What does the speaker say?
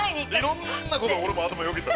◆いろんなこと、俺も頭よぎった。